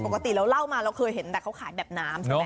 ปกติเราเล่ามาเคยเห็นเขาขายแบบน้ำใช่มั๊ย